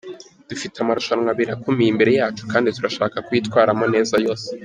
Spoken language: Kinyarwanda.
Dufite amarushanwa abiri akomeye imbere yacu, kandi turashaka kuyitwaramo neza yose.